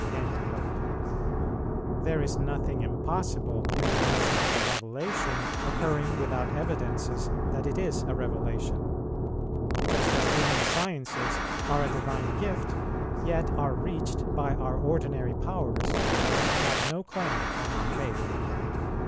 "[79:1] There is nothing impossible in the notion of a revelation occurring without evidences that it is a revelation; just as human sciences are a divine gift, yet are reached by our ordinary powers and have no claim on our faith.